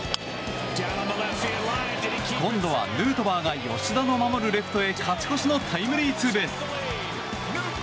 今後はヌートバーが吉田の守るレフトへ勝ち越しのタイムリーツーベース。